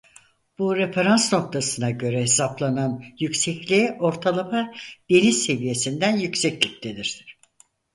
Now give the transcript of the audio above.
Bu referans noktasına göre hesaplanan yüksekliğe ortalama deniz seviyesinden yükseklik denir.